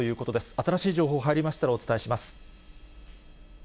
新しい情報入りましたらお伝えします。